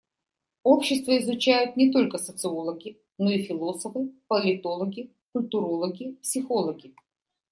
Общество изучают не только социологи, но и философы, политологи, культурологи, психологи.